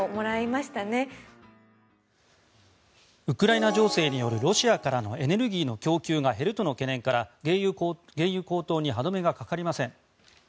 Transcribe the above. ウクライナ情勢によるロシアからのエネルギーの供給が減るとの懸念から原油高騰に歯止めがかかりません。